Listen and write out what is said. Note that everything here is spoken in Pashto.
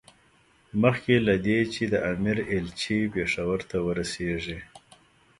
مخکې له دې چې د امیر ایلچي پېښور ته ورسېږي.